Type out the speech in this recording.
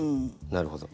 なるほど。